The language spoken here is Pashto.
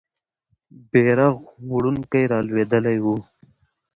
بیرغ وړونکی رالوېدلی وو.